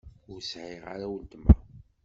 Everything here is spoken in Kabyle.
Ur sɛiɣ ara weltma.